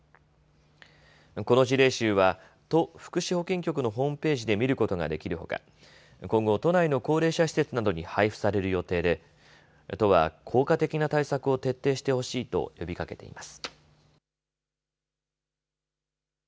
この事例集は都福祉保健局のホームページで見ることができるほか、今後、都内の高齢者施設などに配布される予定で都は効果的な対策を徹底してほしいと呼びかけています。